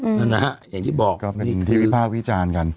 ครับอืมนะฮะอย่างที่บอกก็เป็นที่พิพาควิจารณ์กัน